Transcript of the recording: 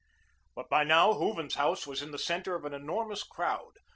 But by now Hooven's house was the centre of an enormous crowd.